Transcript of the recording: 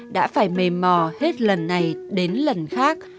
đã phải mềm mò hết lần này đến lần khác